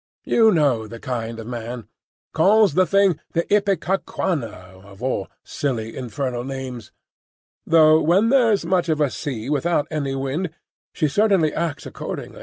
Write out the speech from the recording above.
You know the kind of man,—calls the thing the Ipecacuanha, of all silly, infernal names; though when there's much of a sea without any wind, she certainly acts according."